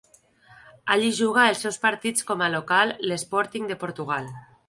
Allí juga els seus partits com a local l'Sporting de Portugal.